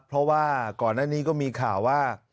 เพราะว่าก่อนหน้านี้ก็มีข่าวว่า